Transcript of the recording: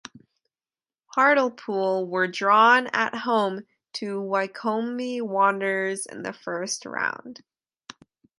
Hartlepool were drawn at home to Wycombe Wanderers in the first round.